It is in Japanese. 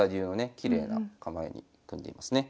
きれいな構えに組んでいますね。